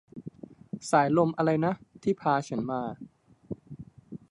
สายลมอะไรนะ ที่พาฉันมา